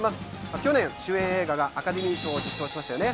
去年主演映画がアカデミー賞を受賞しましたよね。